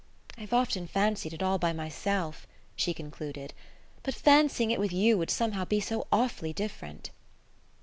"I've often fancied it all by myself," she concluded; "but fancying it with you would somehow be so awfully different...."